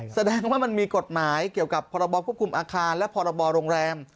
แสดงว่ามันมีกฎหมายเกี่ยวกับพรบควบคุมอาคารและพรบโรงแรม